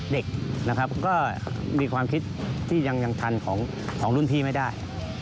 เด็กนะครับก็มีความคิดที่ยังทันของรุ่นพี่ไม่ได้